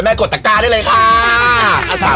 กดตะก้าได้เลยค่ะ